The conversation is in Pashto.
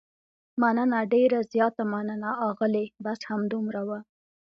مننه، ډېره زیاته مننه، اغلې، بس همدومره و.